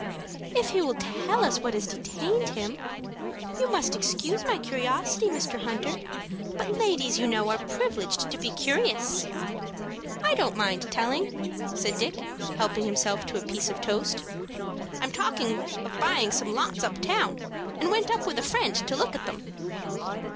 "If he will tell us what has detained him. You must excuse my curiosity, Mr. Hunter, but ladies, you know, are privileged to be curious." "I don't mind telling," said Dick, helping himself to a piece of toast. "I'm talking of buying some lots up town, and went up with a friend to look at them."